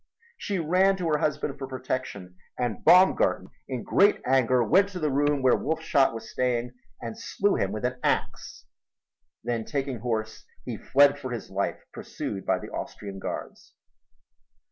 She ran to her husband for protection and Baumgarten in great anger went to the room where Wolfshot was staying and slew him with an ax. Then, taking horse, he fled for his life pursued by the Austrian guards.